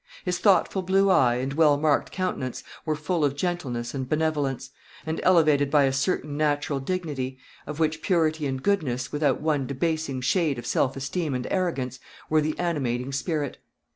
His thoughtful blue eye, and well marked countenance, were full of gentleness and benevolence, and elevated by a certain natural dignity, of which purity and goodness, without one debasing shade of self esteem and arrogance, were the animating spirit.